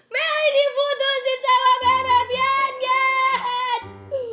melih diputusin sama bebe bian geng